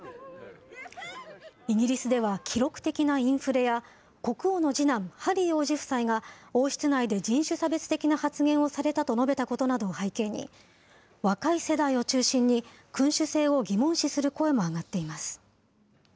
イギリスでは記録的なインフレや国王の次男、ハリー王子夫妻が王室内で人種差別的な発言をされたと述べたことなどを背景に、若い世代を中心に、君主制を疑問視する声も上がっています。